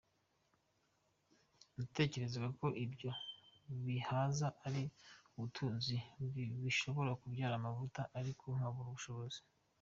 Natekerezaga ko ibyo bihaza ari ubutunzi ko bishobora kubyara amavuta ariko nkabura ubushobozi.